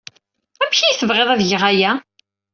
Amek ay iyi-tebɣid ad geɣ aya?